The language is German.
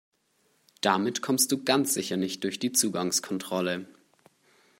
Damit kommst du ganz sicher nicht durch die Zugangskontrolle.